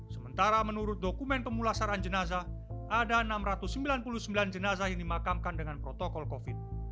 sementara menurut dokumen pemulasaran jenazah ada enam ratus sembilan puluh sembilan jenazah yang dimakamkan dengan protokol covid